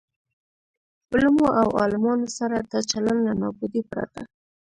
علومو او عالمانو سره دا چلن له نابودۍ پرته.